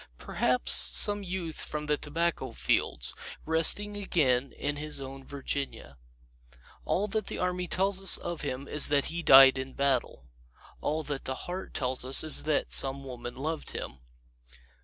Perhaps some youth from the tobacco fields, resting again in his own Virginia. All that the Army tells us of him is that he died in battle. All that the heart tells is that some woman loved him.